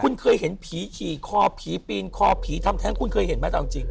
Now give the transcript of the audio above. คุณเคยเห็นผีขี่คอผีปีนคอผีทำแท้งคุณเคยเห็นไหมแต่เอาจริง